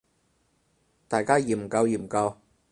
大家研究研究